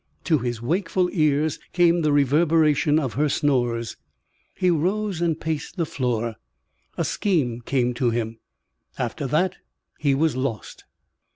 To his wakeful ears came the reverberation of her snores. He rose and paced the floor. A scheme came to him. After that he was lost.